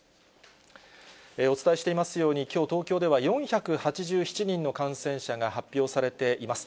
お伝えしていますように、きょう、東京では４８７人の感染者が発表されています。